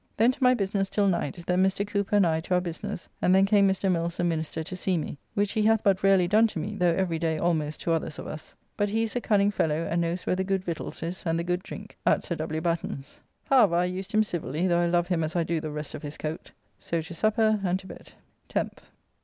Then to my business till night, then Mr. Cooper and I to our business, and then came Mr. Mills, the minister, to see me, which he hath but rarely done to me, though every day almost to others of us; but he is a cunning fellow, and knows where the good victuals is, and the good drink, at Sir W. Batten's. However, I used him civilly, though I love him as I do the rest of his coat. So to supper and to bed. 10th.